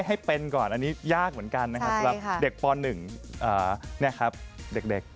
ให้เป็นก่อนอันนี้ยากเหมือนกันนะครับเพราะเด็กป๑เนี่ยครับเด็ก